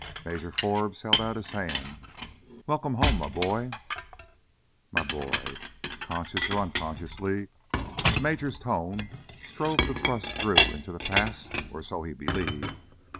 Major Forbes held out his hand. "Welcome home, my boy." My boy. Consciously or unconsciously the major's tone strove to thrust Drew into the past, or so he believed.